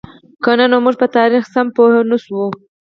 که نه نو موږ به په تاریخ سم پوهـ نهشو.